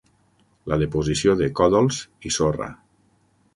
La deposició de còdols i sorra.